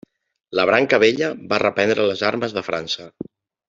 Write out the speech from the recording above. La branca vella va reprendre les armes de França.